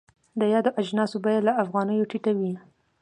د یادو اجناسو بیه له افغانیو ټیټه وي.